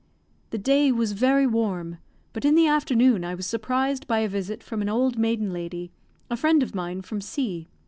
The day was very warm, but in the afternoon I was surprised by a visit from an old maiden lady, a friend of mine from C